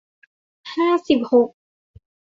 ห้าสิบหก